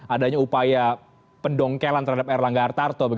adanya upaya pendongkelan terhadap erlangga hartarto